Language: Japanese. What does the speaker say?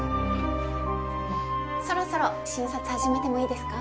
そろそろ診察始めてもいいですか？